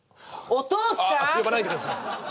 お父さんああ呼ばないでください